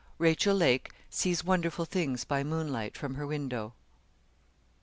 RACHEL LAKE SEES WONDERFUL THINGS BY MOONLIGHT FROM HER WINDOW.